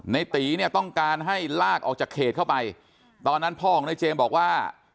ในตีเนี่ยต้องการให้ลากออกจากเขตเข้าไปตอนนั้นพ่อของนายเจมส์บอกว่า